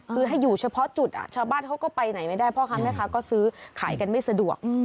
คือให้อยู่เฉพาะจุดชาวบ้านเขาก็ไปไหนไม่ได้พ่อค้าแม่ค้าก็ซื้อขายกันไม่สะดวก